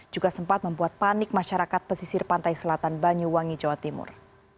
juga sempat membuat panik masyarakat pesisir pantai selatan banyuwangi jawa timur